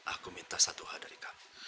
aku minta satu hal dari kami